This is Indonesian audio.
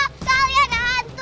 kali ada hantu